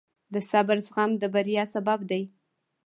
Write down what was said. د صبر زغم د بریا سبب دی.